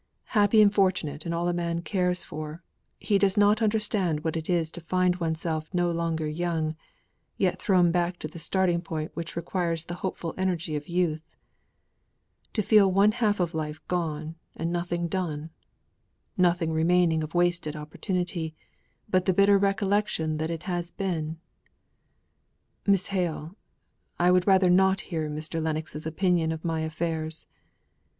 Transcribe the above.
"Happy and fortunate in all a man cares for, he does not understand what it is to find oneself no longer young yet thrown back to the starting point which requires the hopeful energy of youth to feel one half of life gone, and nothing done nothing remaining of wasted opportunity, but the bitter recollection that it has been. Miss Hale, would rather not hear Mr. Lennox's opinion of my affairs.